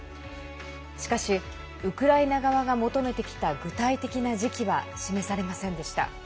しかしウクライナ側が求めてきた具体的な時期は示されませんでした。